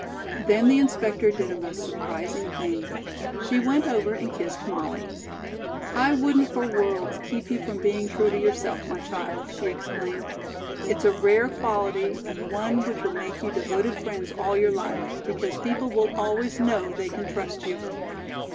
Then the inspector did a most surprising thing. She went over and kissed Molly. "I wouldn't for worlds keep you from being true to yourself, my child," she exclaimed. "It's a rare quality, and one which will make you devoted friends all your life, because people will always know they can trust you."